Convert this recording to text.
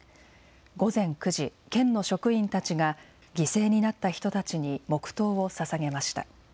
午前９時県の職員たちが犠牲になった人たちに黙とうをささげました。